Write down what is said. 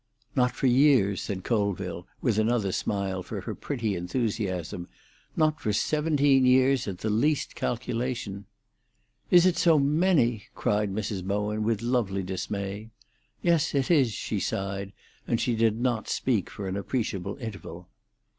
"Not for years," said Colville, with another smile for her pretty enthusiasm. "Not for seventeen years at the least calculation." "Is it so many?" cried Mrs. Bowen, with lovely dismay. "Yes, it is," she sighed, and she did not speak for an appreciable interval.